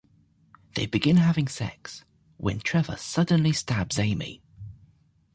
They begin having sex when Trevor suddenly stabs Amy.